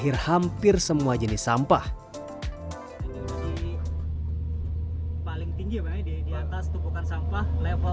lahir hampir semua jenis sampah